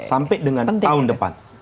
sampai dengan tahun depan